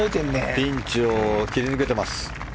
ピンチを切り抜けています。